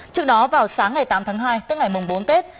trước đó vào sáng ngày tám tháng hai tết ngày bốn tết